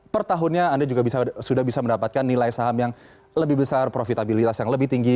per tahunnya anda juga sudah bisa mendapatkan nilai saham yang lebih besar profitabilitas yang lebih tinggi